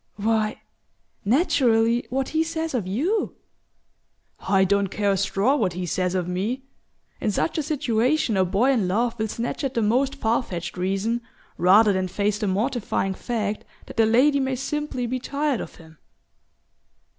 "Why naturally, what he says of you!" "I don't care a straw what he says of me! In such a situation a boy in love will snatch at the most far fetched reason rather than face the mortifying fact that the lady may simply be tired of him."